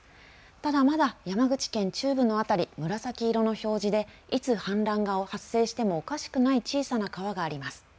ただ、まだ山口県中部の辺り紫色の表示でいつ氾濫が発生してもおかしくない小さな川があります。